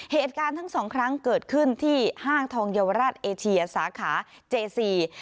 เหตุการณ์ทั้งสองครั้งเกิดขึ้นที่ห้างทองเยาวราชเอเชียสาขาเจซี